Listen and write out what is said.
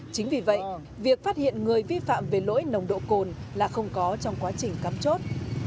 chính vì vậy việc phát hiện người vi phạm về lỗi nồng độ cồn là không có trong quá trình cắm chốt